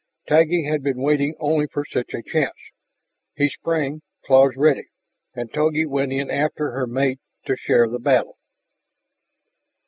Taggi had been waiting only for such a chance. He sprang, claws ready. And Togi went in after her mate to share the battle.